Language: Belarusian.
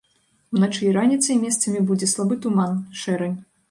Уначы і раніцай месцамі будзе слабы туман, шэрань.